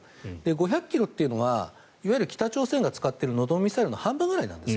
５００ｋｍというのはいわゆる北朝鮮が使っているノドンミサイルの半分ぐらい。